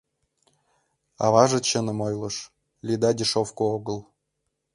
Аваже чыным ойлыш: «Лида дешёвко огыл».